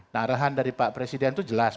nah arahan dari pak presiden itu jelas